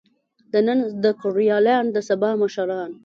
د نن زده کړيالان د سبا مشران.